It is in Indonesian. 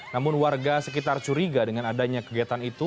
namun warga sekitar curiga dengan adanya kegiatan itu